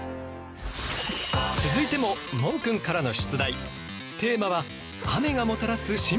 続いても問くんからの出題。